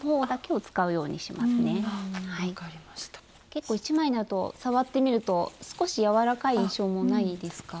結構１枚になると触ってみると少し柔らかい印象もないですか？